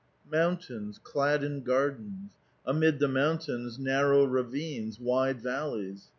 Mountains clad in gardens ; amid the mountains narrow ravines, wide valleys.